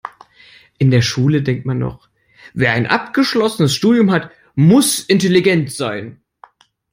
In der Schule denkt man noch, wer ein abgeschlossenes Studium hat, muss intelligent sein.